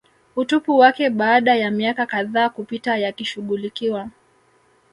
utupu wake baada ya miaka kadhaa kupita yakishughulikiwa